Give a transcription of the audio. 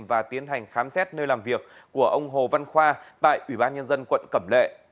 và tiến hành khám xét nơi làm việc của ông hồ văn khoa tại ubnd quận cẩm lệ